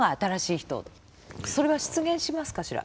それは出現しますかしら？